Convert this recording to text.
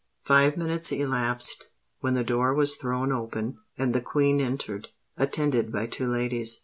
Five minutes elapsed, when the door was thrown open, and the Queen entered, attended by two ladies.